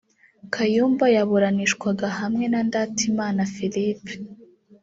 Kayumba yaburanishwaga hamwe na Ndatimana Philippe